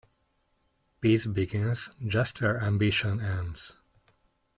Peace begins just where ambition ends.